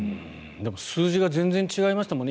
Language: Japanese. でも、数字が全然違いましたよね。